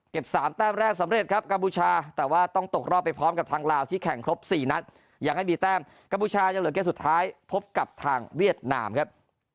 ๓แต้มแรกสำเร็จครับกัมพูชาแต่ว่าต้องตกรอบไปพร้อมกับทางลาวที่แข่งครบ๔นัดยังไม่มีแต้มกัมพูชายังเหลือเกมสุดท้ายพบกับทางเวียดนามครับ